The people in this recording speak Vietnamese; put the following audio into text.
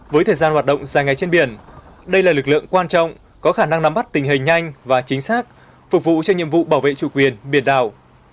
với thời gian hoạt động dài ngày trên biển đây là lực lượng quan trọng có khả năng nắm bắt tình hình nhanh và chính xác phục vụ cho nhiệm vụ bảo vệ chủ quyền biển đảo